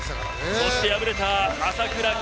そして敗れた朝倉海。